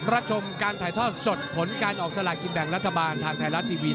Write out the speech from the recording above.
รับชมการถ่ายทอดสดผลการออกสลากกินแบ่งรัฐบาลทางไทยรัฐทีวี